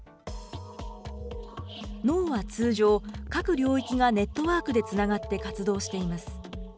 脳は通常、各領域がネットワークでつながって活動しています。